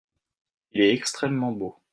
Il est extrêmement beau.